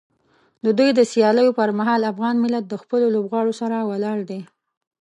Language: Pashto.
د دوی د سیالیو پر مهال افغان ملت د خپلو لوبغاړو سره ولاړ دی.